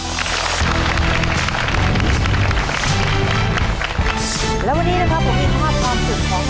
และวันนี้นะครับผมมีภาพความสุขของ